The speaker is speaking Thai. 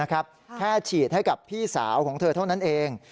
แค่ฉีดให้กับพี่สาวของเธอเท่านั้นเอง